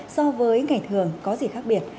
so với ngày thường có gì khác biệt